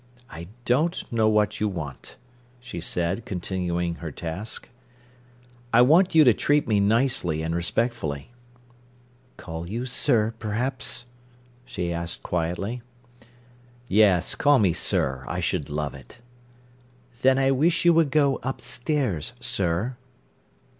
"I don't know what you want," she said, continuing her task. "I want you to treat me nicely and respectfully." "Call you 'sir', perhaps?" she asked quietly. "Yes, call me 'sir'. I should love it." "Then I wish you would go upstairs, sir."